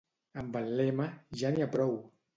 Amb el lema Ja n'hi ha prou!